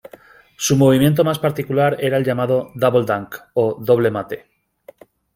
Su movimiento más particular era el llamado "double dunk" o doble mate.